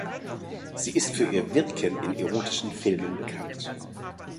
Sie ist für ihr Wirken in erotischen Filmen bekannt.